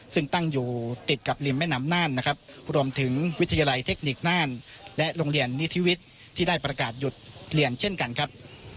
ซึ่งตั้งอยู่ติดกับริมแม่น้ำน่านนะครับรวมถึงวิทยาลัยเทคนิคน่านและโรงเรียนนิธิวิทย์ที่ได้ประกาศหยุดเรียนเช่นกันครับ